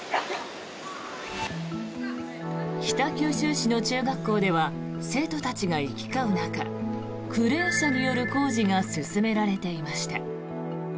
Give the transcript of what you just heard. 北九州市の中学校では生徒たちが行き交う中クレーン車による工事が進められていました。